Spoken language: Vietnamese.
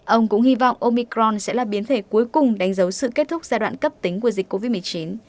ông cũng hy vọng omicron sẽ là biến thể cuối cùng đánh dấu sự kết thúc giai đoạn cấp tính của dịch covid một mươi chín